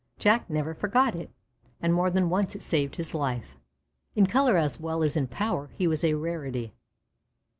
Jack never forgot it, and more than once it saved his life. In color as well as in power he was a rarity.